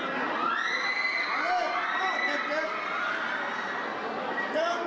สวัสดีครับ